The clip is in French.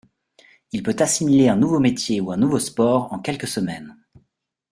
Il peut assimiler un nouveau métier ou un nouveau sport en quelques semaines.